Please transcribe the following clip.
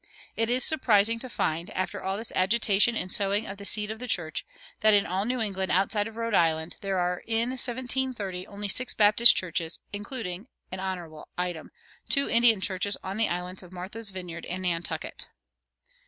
[130:1] It is surprising to find, after all this agitation and sowing of "the seed of the church," that in all New England outside of Rhode Island there are in 1730 only six Baptist churches, including (an honorable item) two Indian churches on the islands of Martha's Vineyard and Nantucket.